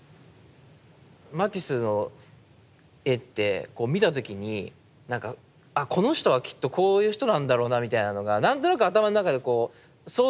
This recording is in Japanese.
マティスの絵って見た時になんかあこの人はきっとこういう人なんだろうなみたいなのが何となく頭の中でこう想像できるような。